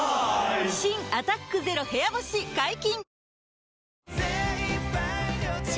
新「アタックＺＥＲＯ部屋干し」解禁‼